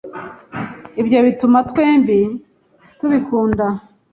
Ibyo bituma twembi tubikunda